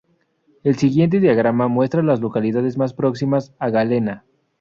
El siguiente diagrama muestra a las localidades más próximas a Galena.